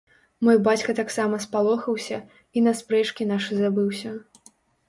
Мой бацька таксама спалохаўся, і на спрэчкі нашы забыўся.